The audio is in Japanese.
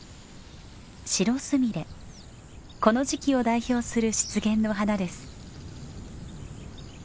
この時期を代表する湿原の花です。